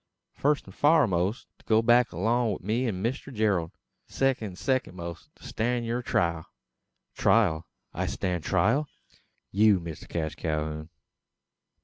"Fust an foremost, to go back along wi' me an Mister Gerald. Second an second most, to stan' yur trial." "Trial! I stand trial!" "You, Mister Cash Calhoun."